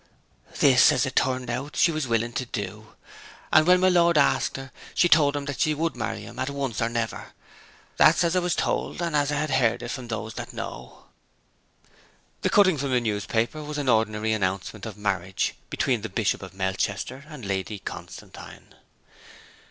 This, as it turned out, she was willing to do; and when my lord asked her she told him she would marry him at once or never. That's as J was told, and J had it from those that know.' The cutting from the newspaper was an ordinary announcement of marriage between the Bishop of Melchester and Lady Constantine.